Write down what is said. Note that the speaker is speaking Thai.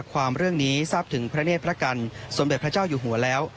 ความเรื่องนี้ทราบถึงพระเนธพระกันสมเด็จพระเจ้าอยู่หัวแล้ว